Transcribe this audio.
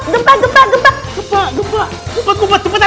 gempa gempa gempa